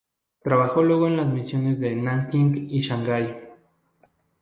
Trabajó luego en las misiones de Nanking y en Shanghái.